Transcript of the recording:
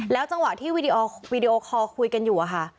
จังหวะที่วีดีโอคอลคุยกันอยู่อะค่ะ